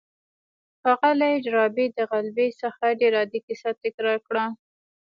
ښاغلي ډاربي د غلبې دغه غير عادي کيسه تکرار کړه.